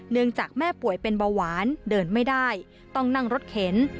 เนื่องจากแม่ป่วยเป็นเบาหวานเดินไม่ได้ต้องนั่งรถเข็น